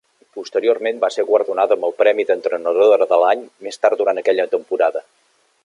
Posteriorment va ser guardonada amb el premi d'"Entrenadora de l'any" més tard durant aquella temporada.